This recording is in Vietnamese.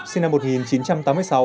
sinh năm một nghìn chín trăm tám mươi sáu